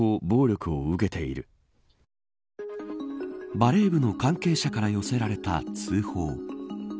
バレー部の関係者から寄せられた通報。